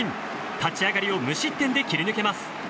立ち上がりを無失点で切り抜けます。